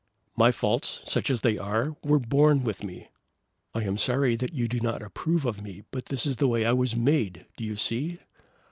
"My faults, such as they are, were born with me. I am sorry that you do not approve of me, but this is the way I was made; do you see?"